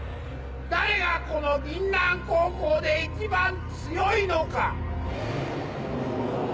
誰がこの銀杏高校で一番強いのか？